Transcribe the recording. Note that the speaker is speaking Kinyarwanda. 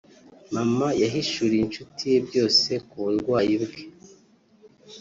mama yahishuriye inshuti ye byose ku burwayi bwe